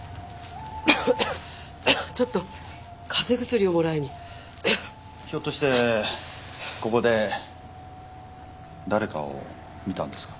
ゴホンゴホンちょっとカゼ薬をもらいにひょっとしてここで誰かを見たんですか？